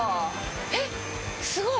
えっすごい！